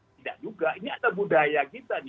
tidak juga ini ada budaya kita nih